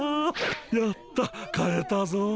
やった買えたぞ！